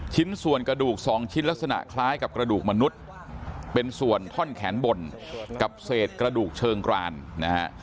ชิ้นส่วนกระดูก๒ชิ้นลักษณะคล้ายกับกระดูกมนุษย์เป็นส่วนท่อนแขนบนกับเศษกระดูกเชิงกรานนะฮะ